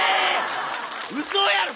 うそやろ！